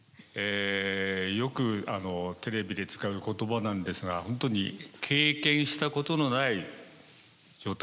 よくテレビで使う言葉なんですが本当に経験したことのない状態ですね。